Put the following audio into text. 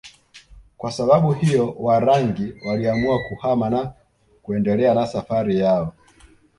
Kwa sababu hiyo Warangi waliamua kuhama na kuendelea na safari yao